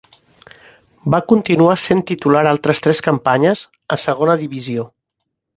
Va continuar sent titular altres tres campanyes, a Segona Divisió.